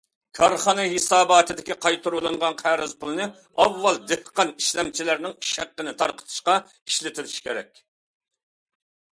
كارخانا ھېساباتىدىكى قايتۇرۇۋېلىنغان قەرز پۇلنى ئاۋۋال دېھقان ئىشلەمچىلەرنىڭ ئىش ھەققىنى تارقىتىشقا ئىشلىتىش كېرەك.